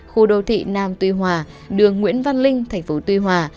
khu đô thị nam tuy hòa đường nguyễn văn linh tp tuy hòa